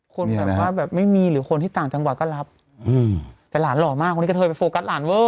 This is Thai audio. คนแบบว่าแบบไม่มีหรือคนที่ต่างจังหวัดก็รับแต่หลานหล่อมากวันนี้กระเทยไปโฟกัสหลานเวอร์